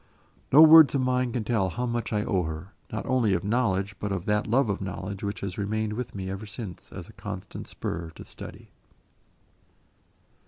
No words of mine can tell how much I owe her, not only of knowledge, but of that love of knowledge which has remained with me ever since as a constant spur to study.